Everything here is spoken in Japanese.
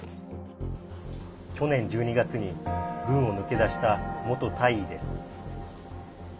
去年１２月に軍を抜け出した元大尉です。